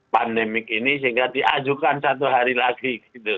pandemik ini sehingga diajukan satu hari lagi